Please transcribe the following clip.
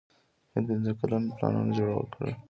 هند پنځه کلن پلانونه جوړ کړل.